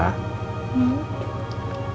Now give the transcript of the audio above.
mereka masih siap